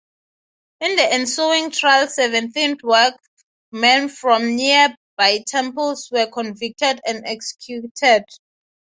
In the ensuing trial seventeen work-men from near-by temples were convicted and executed.